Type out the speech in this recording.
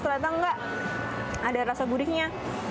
ternyata enggak ada rasa gurihnya